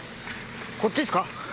こっちですか？